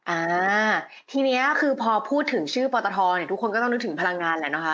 อ่าทีนี้คือพอพูดถึงชื่อปอตทเนี่ยทุกคนก็ต้องนึกถึงพลังงานแหละนะคะ